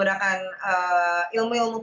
jadi meskipun kontennya sendiri cukup